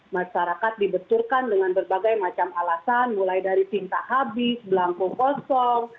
masyarakat dibenturkan dengan berbagai macam alasan mulai dari tingkah habis belangko kosong